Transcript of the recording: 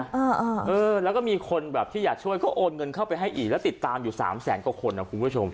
เออแล้วก็มีคนแบบที่อยากช่วยเขาโอนเงินเข้าไปให้อีกแล้วติดตามอยู่สามแสนกว่าคนนะคุณผู้ชม